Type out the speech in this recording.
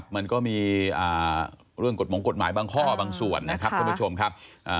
มันก็มีเรื่องกฎหมงกฎหมายบางข้อบางส่วนนะครับท่านผู้ชมครับ